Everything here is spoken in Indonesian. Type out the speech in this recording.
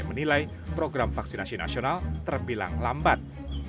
menilai program vaksinasi nasional terbilang lambat